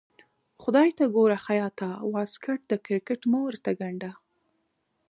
خدای ته ګوره خياطه واسکټ د کرکټ مه ورته ګنډه.